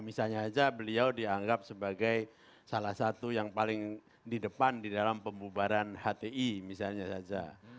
misalnya saja beliau dianggap sebagai salah satu yang paling di depan di dalam pembubaran hti misalnya saja